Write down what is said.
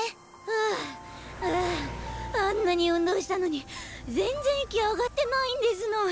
ハァハァあんなに運動したのに全然息上がってないんですの。